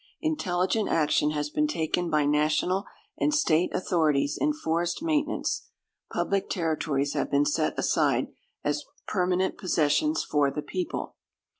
Intelligent action has been taken by National and State authorities in forest maintenance; public territories have been set aside as permanent possessions for the people.